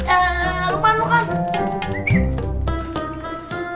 eh lupakan lupakan